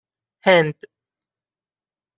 هند